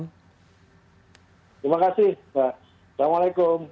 terima kasih mbak assalamualaikum